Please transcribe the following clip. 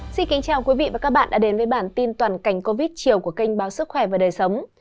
xin kính chào quý vị và các bạn đã đến với bản tin toàn cảnh covid chiều của kênh báo sức khỏe và đời sống